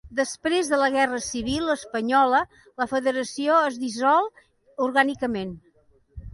Després de la Guerra Civil Espanyola, la Federació es dissol orgànicament.